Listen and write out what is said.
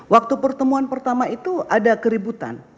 waktu pertemuan pertama itu ada keributan